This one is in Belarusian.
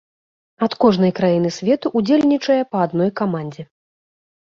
Ад кожнай краіны свету ўдзельнічае па адной камандзе.